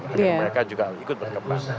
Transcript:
mereka juga ikut berkembang